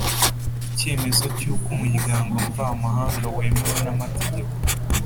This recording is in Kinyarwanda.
icyemezo cy uko umuryango mvamahanga wemewe namategeko